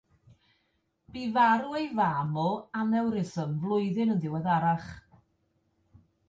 Bu farw ei fam o anewrysm flwyddyn yn ddiweddarach.